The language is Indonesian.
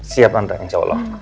siap tante insya allah